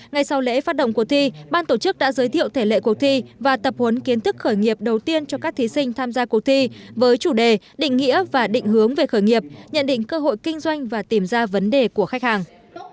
ngay sau lễ phát động cuộc thi ban tổ chức đã giới thiệu thể lệ cuộc thi và tập huấn kiến thức khởi nghiệp đầu tiên cho các thí sinh tham gia cuộc thi với chủ đề định nghĩa và định hướng về khởi nghiệp nhận định cơ hội kinh doanh và tìm ra vấn đề của khách hàng